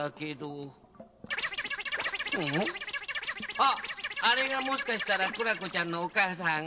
あっあれがもしかしたらクラコちゃんのおかあさん？